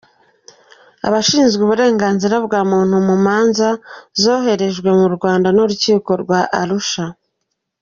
Abashinzwe uburenganzira bwa muntu mu manza zoherejwe mu Rwanda n’Urukiko rwa Arusha